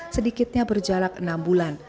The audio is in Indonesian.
sedikitnya berjalak enam bulan